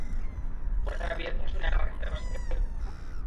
পরে তাঁরা বিয়ের কথা শুনে আমাকে তাঁদের বাসা থেকে বের করে দেন।